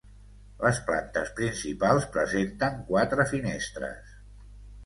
Les plantes principals presenten quatre finestres.